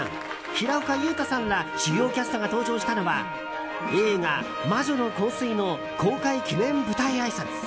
平岡祐太さんら主要キャストが登場したのは映画「魔女の香水」の公開記念舞台あいさつ。